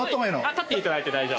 立っていただいて大丈夫。